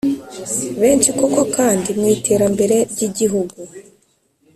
benshi koko kandi mu terambere ry igihugu